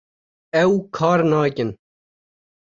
ew kar nakin